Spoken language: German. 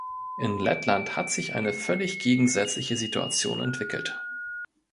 In Lettland hat sich eine völlig gegensätzliche Situation entwickelt.